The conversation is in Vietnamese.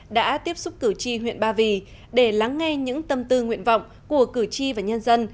đã tiếp xúc cử tri huyện ba vì để lắng nghe những tâm tư nguyện vọng của cử tri và nhân dân